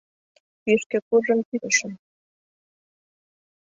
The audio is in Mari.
Кӱшкӧ куржын кӱзышым.